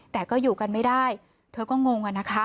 แต่ก็อยู่กันไม่ได้เธอก็งงอะนะคะ